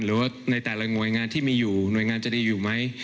หรือว่าในแต่ละหน่วยงานที่มีอยู่หน่วยงานจะดีอยู่ไหม